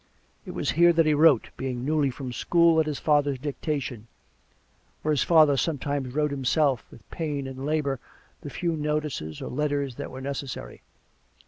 It was here that he wrote, being newly from school, at his father's dictation, or his father sometimes wrote him self, with pain and labour, the few notices or letters that were necessary.